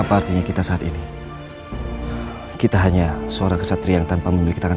address nam dayaka